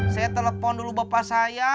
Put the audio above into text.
saya telepon dulu bapak saya